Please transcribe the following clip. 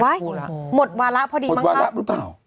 บ๊ายหมดวาระพอดีมั้งครับ